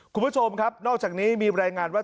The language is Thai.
คุณผู้ชมครับนอกจากนี้มีรายงานว่า